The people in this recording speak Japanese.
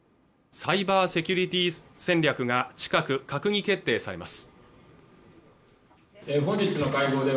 サイバーセキュリティ戦略が近く閣議決定されます